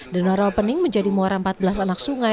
danau rawa pening menjadi muara empat belas anak sungai